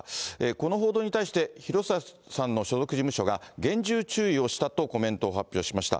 この報道に対して、広末さんの所属事務所は厳重注意をしたとコメントを発表しました。